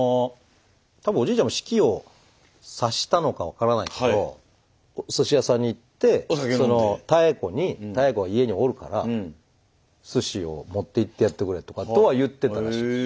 多分おじいちゃんも死期を察したのか分からないけどおすし屋さんに行って妙子に妙子が家におるからすしを持っていってやってくれとかとは言ってたらしいです。